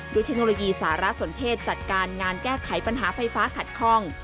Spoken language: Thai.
เทคโนโลยีสารสนเทศจัดการงานแก้ไขปัญหาไฟฟ้าขัดข้อง